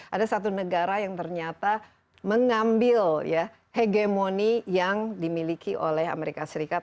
ada satu negara yang ternyata mengambil hegemoni yang dimiliki oleh amerika serikat